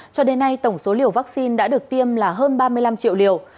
cho đến nay tổng số liều vaccine đã được tiêm là hơn ba mươi năm triệu liều